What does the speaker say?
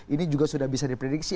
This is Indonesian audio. ini juga sudah bisa diprediksi